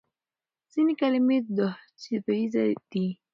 ځینې کلمې دوهڅپیزې دي.